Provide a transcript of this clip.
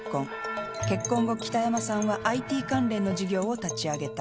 結婚後北山さんはＩＴ関連の事業を立ち上げた。